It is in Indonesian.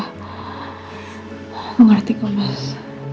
aku ngerti kau mas